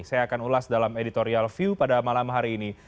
saya akan ulas dalam editorial view pada malam hari ini